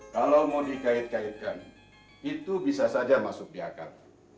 kalau mau dikait kaitkan itu bisa saja masuk di akar